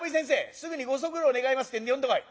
すぐにご足労願いますってんで呼んでこい。